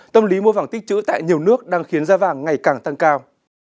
tâm lý mua vàng tích chữ tại nhiều nước đang khiến giá vàng ngày càng tăng cao